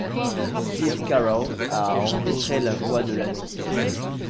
Steve Carell a enregistré la voix de l'annonceur.